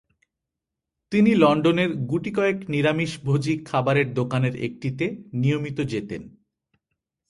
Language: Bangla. তিনি লন্ডনের গুটি কয়েক নিরামিষভোজী খাবারের দোকানের একটিতে নিয়মিত যেতেন।